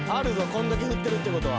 こんだけ振ってるってことは。